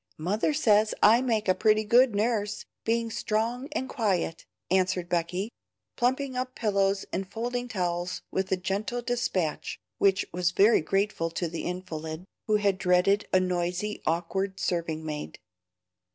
Mother says I make a pretty good nurse, being strong and quiet," answered Becky, plumping up pillows and folding towels with a gentle despatch which was very grateful to the invalid, who had dreaded a noisy, awkward serving maid.